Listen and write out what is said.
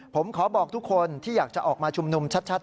ผมขอบอกทุกคนที่อยากจะออกมาชุมนุมชัด